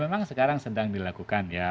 memang sekarang sedang dilakukan ya